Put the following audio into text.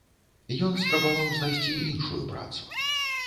Ён спрабаваў знайсці іншую працу.